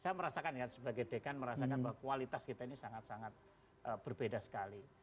saya merasakan ya sebagai dekan merasakan bahwa kualitas kita ini sangat sangat berbeda sekali